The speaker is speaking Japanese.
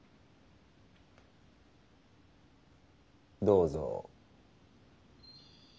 どうぞ。